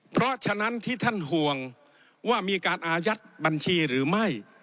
เพราะฉะนั้นที่ท่านห่วงว่ามีการอายัดบัญชีหรือไม่